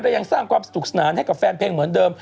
และยังสร้างความสนุกสนานให้กับแฟนเพลงเหมือนเดิม